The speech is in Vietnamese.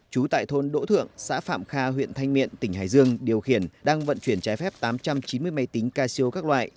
trú tại thôn đỗ thượng xã phạm kha huyện thanh miện tỉnh hải dương điều khiển đang vận chuyển trái phép tám trăm chín mươi máy tính ca siêu các loại